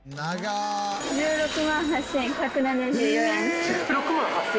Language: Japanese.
１６万８１７４円！？